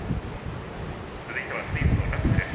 続いてはスイスのラック。